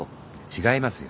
違いますよ。